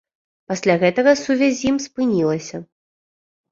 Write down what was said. Пасля гэтага сувязь з ім спынілася.